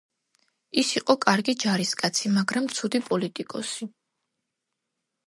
ის იყო კარგი ჯარისკაცი, მაგრამ ცუდი პოლიტიკოსი.